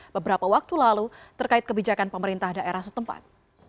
beberapa waktu lalu terkait kebijakan pemerintah daerah setempat